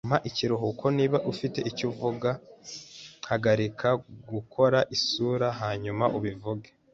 Mpa ikiruhuko. Niba ufite icyo uvuga, hagarika gukora isura hanyuma ubivuge.